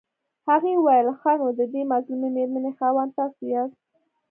هغې وويل ښه نو ددې مظلومې مېرمنې خاوند تاسو ياست.